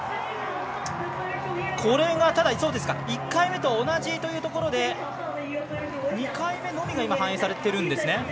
１回目と同じというところで２回目のみが反映されてるんですね。